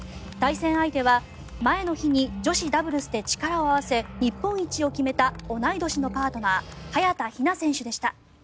対戦相手は前の日に女子ダブルスで力を合わせ日本一を決めた同い年のパートナー早田ひな選手でした。